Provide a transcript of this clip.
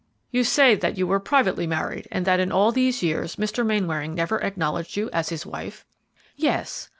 "You say that you were privately married, and that in all these years Mr. Mainwaring never acknowledged you as his wife?" "Yes.